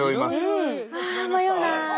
うわ迷うなあ。